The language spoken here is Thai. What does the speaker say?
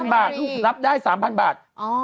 ๓๐๐๐บาทรับได้๓๐๐๐บาท